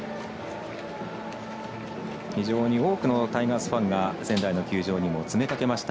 非常に多くのタイガースファンが仙台の球場にも詰めかけました